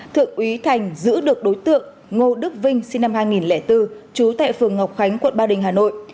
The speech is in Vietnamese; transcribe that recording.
thượng úy thành giữ được đối tượng ngô đức vinh sinh năm hai nghìn bốn trú tại phường ngọc khánh quận ba đình hà nội